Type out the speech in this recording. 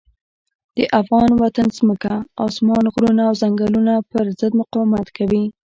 د افغان وطن ځمکه، اسمان، غرونه او ځنګلونه پر ضد مقاومت کوي.